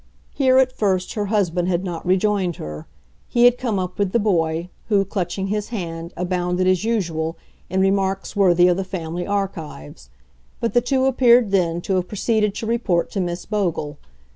Here, at first, her husband had not rejoined her; he had come up with the boy, who, clutching his hand, abounded, as usual, in remarks worthy of the family archives; but the two appeared then to have proceeded to report to Miss Bogle.